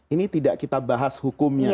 ini tidak kita bahas hukumnya